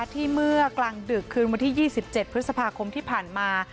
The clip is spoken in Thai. เมื่อกลางดึกคืนวันที่๒๗พฤษภาคมที่ผ่านมา